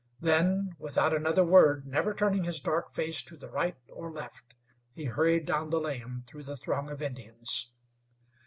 Then, without another word, never turning his dark face to the right or left, he hurried down the lane through the throng of Indians.